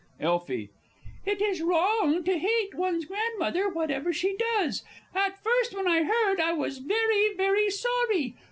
Elfie. It is wrong to hate one's Grandmother, whatever she does. At first when I heard, I was very, very sorry.